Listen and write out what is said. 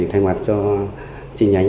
thay mặt cho chi nhánh